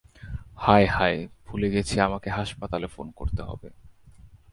হায় হায় ভুলে গেছি আমাকে হাসপাতালে ফোন করতে হবে।